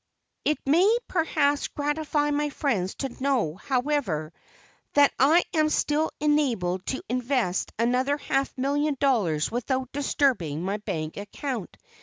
It may perhaps gratify my friends to know, however, that I am still enabled to invest another half million of dollars without disturbing my bank account.